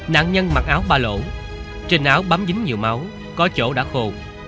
nạn nhân mặc áo ba lỗ trên áo bấm dính nhiều máu có chỗ đã khô